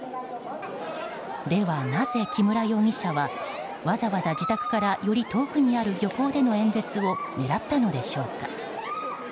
ではなぜ、木村容疑者はわざわざ自宅からより遠くにある漁港での演説を狙ったのでしょうか。